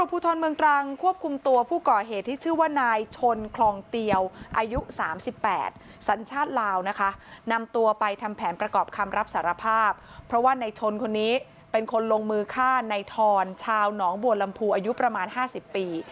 เพราะว่านายชนคนนี้เป็นคนลงมือฆ่านายทรชาวหนองบัวลำพูอายุประมาณ๕๐ปี